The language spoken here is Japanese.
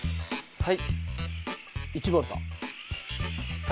はい。